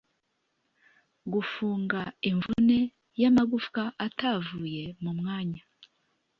gufunga imvune y’amagufwa atavuye mu mwanya.